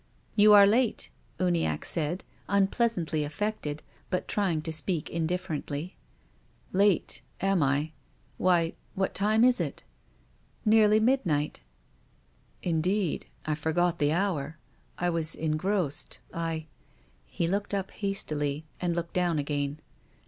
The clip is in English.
"You are late," Uniacke said, unpleasantly af fected, but trying to speak indifferently. " Late, am I ? Why — what time is it?" " Nearly midnight." " Indeed. I forgot the hour. I was engrossed. I —" He looked up hastily and looked down again.